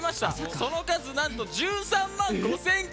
その数なんと１３万５，０００件。